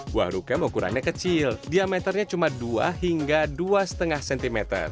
buah rukem ukurannya kecil diameternya cuma dua hingga dua lima cm